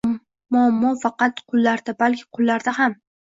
Muammo nafaqat qullarda, balki qullarda ham